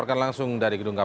maka biarkan menjadi ranah kpk